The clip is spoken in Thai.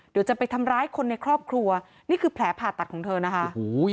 เดี๋ยวจะไปทำร้ายคนในครอบครัวนี่คือแผลผ่าตัดของเธอนะคะ